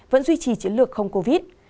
vẫn duy trì chiến lược không covid